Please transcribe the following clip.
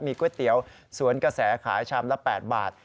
ก๋วยเตี๋ยวสวนกระแสขายชามละ๘บาท